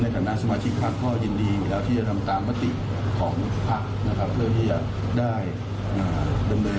ตายตายมาติของพลักษณ์ทีแล้ว